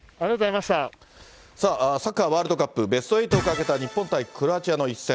さあ、サッカーワールドカップ、ベスト８をかけた日本対クロアチアの一戦。